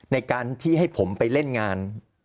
ในการที่ให้ผมไปเล่นงาน